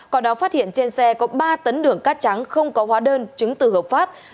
còn đó phát hiện trên xe có ba tấn đường cát trắng không có hóa đơn chứng từ hợp pháp